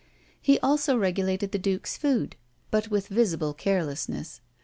He also regulated the Duke's food, but with visible carelessness.